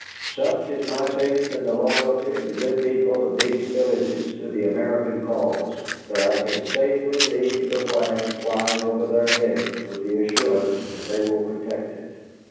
Such is my faith in the loyalty of the good people of these villages to the American cause, that I can safely leave the flag flying over their heads with the assurance that they will protect it."